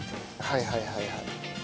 はいはいはいはい。